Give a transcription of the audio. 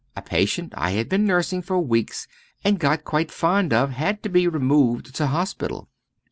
A patient I had been nursing for weeks and got quite fond of had to be removed to hospital.